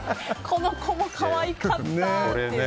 この子も可愛かった！って。